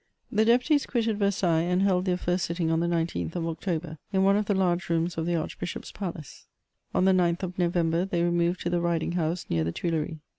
The deputies quitted Versailles, and held their first sitting on the 19th of October, in bne of the large rooms of the Archbishop's palace. On the 9th of November, they removed to the ridings house .near the Tuileries.